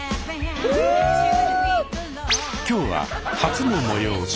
今日は初の催し。